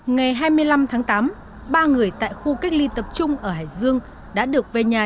ngày hai mươi năm tháng tám ba người tại khu cách ly tập trung ở hải dương đã được về nhà